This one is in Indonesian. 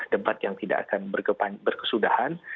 debat yang tidak akan berkesudahan